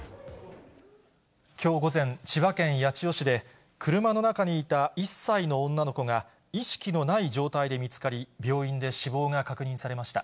きょう午前、千葉県八千代市で、車の中にいた１歳の女の子が、意識のない状態で見つかり、病院で死亡が確認されました。